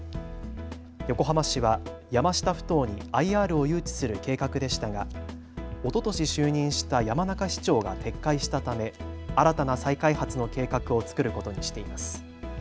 横浜市は山下ふ頭にＩＲを誘致する計画でしたがおととし就任した山中市長が撤回したため、新たな再開発の計画を作ることにしています。